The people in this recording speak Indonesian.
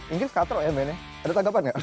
inggris katro ya mainnya ada tanggapan nggak